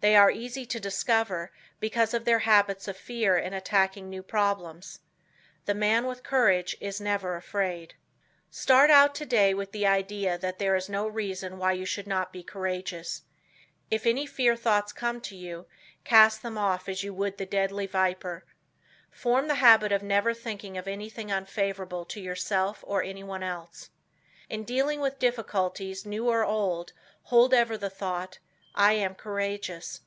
They are easy to discover because of their habits of fear in attacking new problems. The man with courage is never afraid. Start out today with the idea that there is no reason why you should not be courageous. If any fear thoughts come to you cast them off as you would the deadly viper. Form the habit of never thinking of anything unfavorable to yourself or anyone else. In dealing with difficulties, new or old, hold ever the thought, "I am courageous."